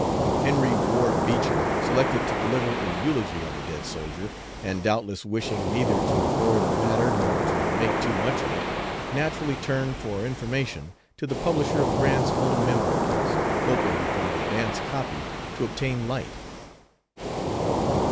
Henry Ward Beecher, selected to deliver a eulogy on the dead soldier, and doubtless wishing neither to ignore the matter nor to make too much of it, naturally turned for information to the publisher of Grant's own memoirs, hoping from an advance copy to obtain light.